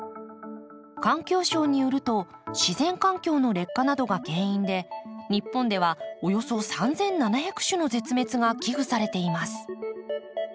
環境省によると自然環境の劣化などが原因で日本ではおよそ３，７００種の絶滅が危惧されています。